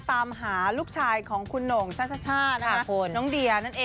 ตามหาลูกชายของคุณของหนงชะชะช่า